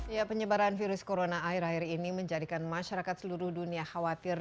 ya penyebaran virus corona akhir akhir ini menjadikan masyarakat seluruh dunia khawatir